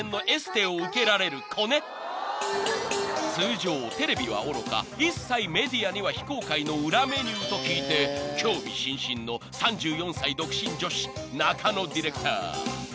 ［通常テレビはおろか一切メディアには非公開の裏メニューと聞いて興味津々の３４歳独身女子中野ディレクター］